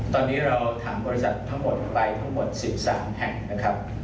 ตอนนี้เราถามบริษัททั้งหมดไปทั้งหมด๑๓แห่งนะครับ